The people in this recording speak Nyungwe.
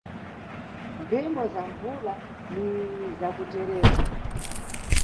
Mphimo za mbvula ni zakuterera.